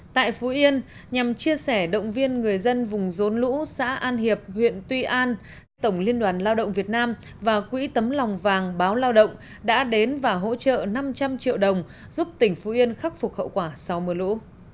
tại phú yên nhằm chia sẻ động viên người dân vùng rốn lũ xã an hiệp huyện tuy an tổng liên đoàn lao động việt nam và quỹ tấm lòng vàng báo lao động đã đến và hỗ trợ năm trăm linh triệu đồng giúp tỉnh phú yên khắc phục hậu quả sau mưa lũ